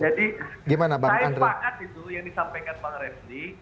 saya sepakat itu yang disampaikan pak raffi